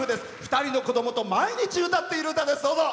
２人の子どもと毎日、歌っている歌です。